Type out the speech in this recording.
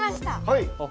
はい！